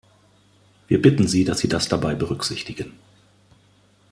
Wir bitten Sie, dass Sie das dabei berücksichtigen!